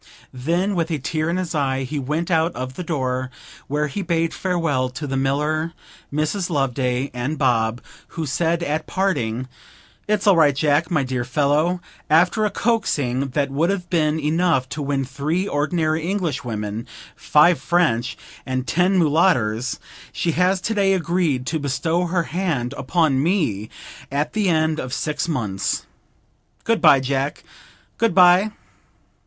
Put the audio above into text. Then with a tear in his eye he went out of the door, where he bade farewell to the miller, Mrs. Loveday, and Bob, who said at parting, 'It's all right, Jack, my dear fellow. After a coaxing that would have been enough to win three ordinary Englishwomen, five French, and ten Mulotters, she has to day agreed to bestow her hand upon me at the end of six months. Good bye, Jack, good bye!'